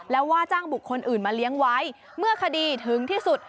แล้วว่าจ้างบุคคลอื่นมาเลี้ยงไว้เมื่อคดีถึงที่สุด